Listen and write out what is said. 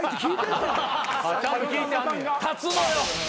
立つのよ。